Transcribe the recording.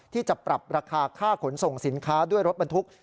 ที่จะปรับราคาค่าขนส่งสินค้าด้วยรถบรรทุก